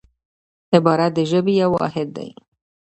عبارت د ژبي یو واحد دئ.